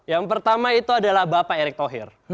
yang pertama itu adalah bapak erick thohir